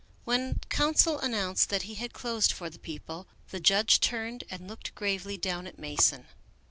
When counsel announced that he had closed for the People, the judge turned and looked gravely down at Mason.